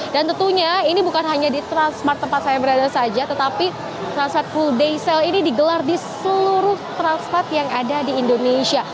dan tentunya ini bukan hanya di transmart tempat saya berada saja tetapi transmart full day sale ini digelar di seluruh transmart yang ada di indonesia